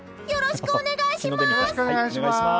よろしくお願いします！